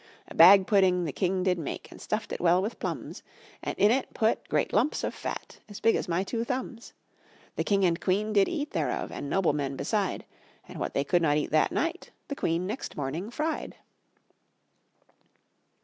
A bag pudding the king did make, And stuffed it well with plums, And in it put great lumps of fat As big as my two thumbs. The king and queen did eat thereof, And noblemen beside, And what they could not eat that night The queen next morning fried.